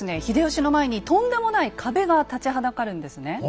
秀吉の前にとんでもない壁が立ちはだかるんですね。